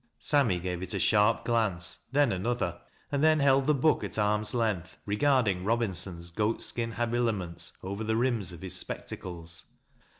Sammy gave it a sharp glance, then another, and then held the book at arm's length, regarding Robinson's goat skin habiliments over the rims of his spectacles.